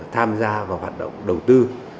tham gia vào hoạt động đầu tư